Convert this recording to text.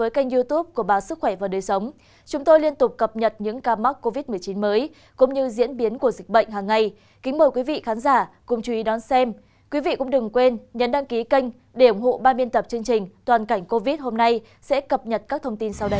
các bạn hãy đăng ký kênh để ủng hộ ba biên tập chương trình toàn cảnh covid hôm nay sẽ cập nhật các thông tin sau đây